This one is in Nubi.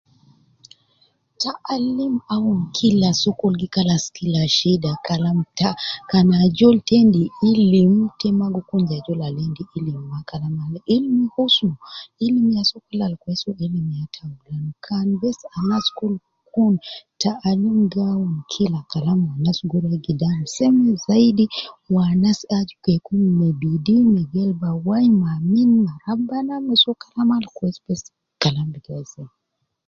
Ta-alim awun killa sokol, gi kalas kila shida, kalam ta, kan ajol ita endi ilim te magi kun je ajol al endi ilim ma kalam, al ilim husun, ilim ya sokol al kwesi ,kan bes anas kul kun ta-alim gi awun kila kalam anas gi rua gidam seme zaidi wu anas aju ke kun me bidi me gelba wai me amini ma rabbana, me soo kalama al kwesi kwesi kalam